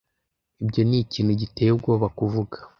Ibyo ni ikintu giteye ubwoba kuvuga.